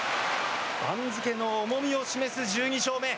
番付の重みを示す１２勝目。